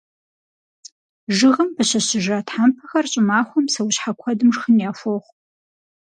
Жыгым пыщэщыжа тхьэмпэхэр щӀымахуэм псэущхьэ куэдым шхын яхуохъу.